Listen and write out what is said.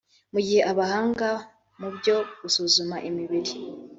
mu gihe abahanga mu byo gusuzuma imibiri